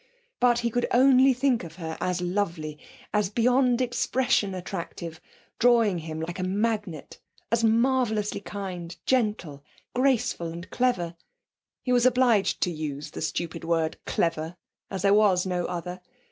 But he could only think of her as lovely, as beyond expression attractive, drawing him like a magnet, as marvellously kind, gentle, graceful, and clever. He was obliged to use the stupid word clever, as there was no other.